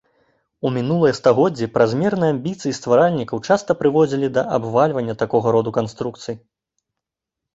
У мінулыя стагоддзі празмерныя амбіцыі стваральнікаў часта прыводзілі да абвальвання такога роду канструкцый.